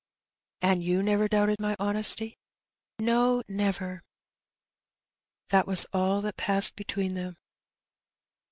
" And you never doubted my honesty ?" "No, never." That was all that passed between them.